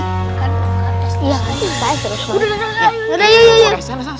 iya pasti pak ustadz